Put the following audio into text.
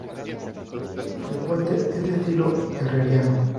El puente es de estilo herreriano.